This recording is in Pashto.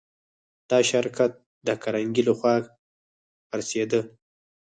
دا شرکت د کارنګي لهخوا خرڅېده